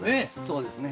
そうですね。